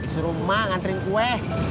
suruh ma ngantrin kue